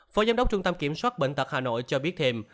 phó giám đốc trung tâm kiểm soát bệnh tật hà nội cho biết thêm